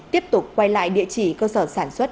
tiếp tục quay lại địa chỉ cơ sở sản xuất